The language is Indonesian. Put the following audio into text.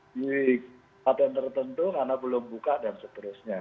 di tempat yang tertentu karena belum buka dan seterusnya